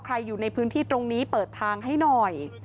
อยู่ในพื้นที่ตรงนี้เปิดทางให้หน่อย